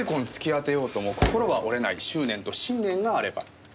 果てようとも心は折れない執念と信念があれば。